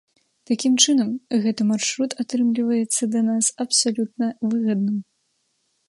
Такім чынам, гэта маршрут атрымліваецца да нас абсалютна выгадным.